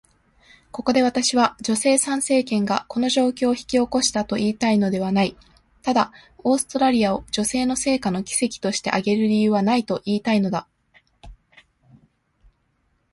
ここで私は、女性参政権がこの状況を引き起こしたと言いたいのではない。ただ、オーストラリアを女性の成果の奇跡として挙げる理由はないと言いたいのだ。